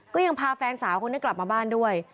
ก็ยังพาแฟนสาวคนนี้กลับมาบ้านด้วย